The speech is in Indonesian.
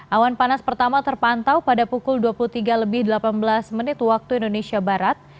awan panas pertama terpantau pada pukul dua puluh tiga lebih delapan belas menit waktu indonesia barat